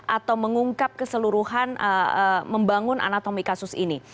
atau mengungkap keseluruhan membangun anatomi kasus ini